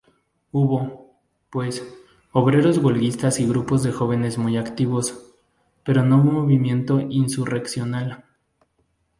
Hubo, pues, obreros huelguistas y grupos de jóvenes muy activos, pero no movimiento insurreccional.